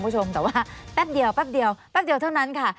แต่ว่าแป๊บเดียวเท่านั้นค่ะ